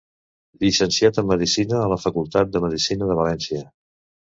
Llicenciat en medicina a la Facultat de Medicina de València.